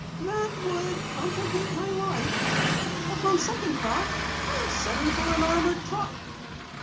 "That would complicate my life. Upon second thought, I'll send for an armored truck."